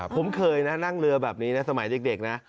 ผมเคยนะนั่งเรือแบบนี้นะสมัยเด็กนะ